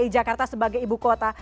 dki jakarta sebagai ibu kota